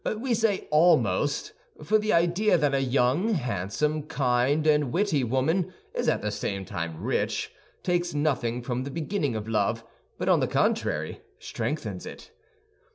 We say almost, for the idea that a young, handsome, kind, and witty woman is at the same time rich takes nothing from the beginning of love, but on the contrary strengthens it.